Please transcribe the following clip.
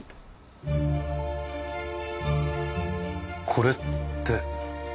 これって。